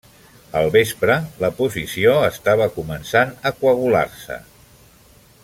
Al vespre, la posició estava començant a coagular-se.